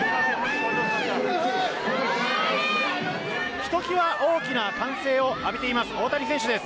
ひときわ大きな歓声を浴びています。